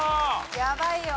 やばいよ。